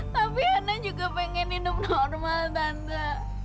tapi anak juga ingin hidup normal tante